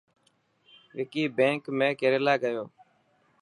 وڪي بينڪ ۾ ڪيريلا گيو؟